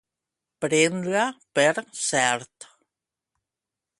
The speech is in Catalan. Prendre per cert.